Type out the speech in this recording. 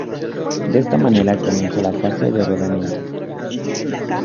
De esta manera, comienza la fase de rodamiento.